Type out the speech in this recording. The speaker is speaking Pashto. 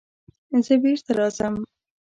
زه بېرته راځم.